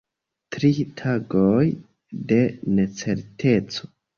Tri tagoj de necerteco.